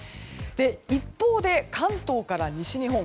一方で関東から西日本。